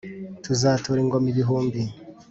tuzatura ingoma ibihumbi